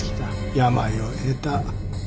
病を得た。